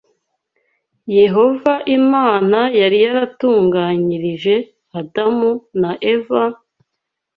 Yehova Imana yari yaratunganyirije Adamu na Eva,